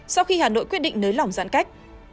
sau khi hà nội quyết định nới lỏng giãn cách